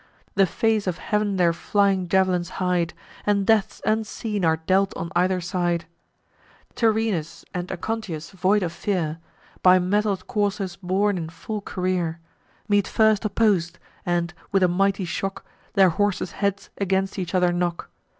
The face of heav'n their flying jav'lins hide, And deaths unseen are dealt on either side. Tyrrhenus, and Aconteus, void of fear, By mettled coursers borne in full career, Meet first oppos'd; and, with a mighty shock, Their horses' heads against each other knock.